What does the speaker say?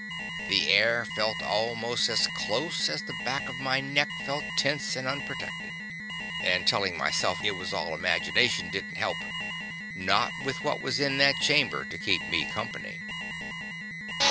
The air felt almost as close as the back of my neck felt tense and unprotected. And telling myself it was all imagination didn't help not with what was in that chamber to keep me company.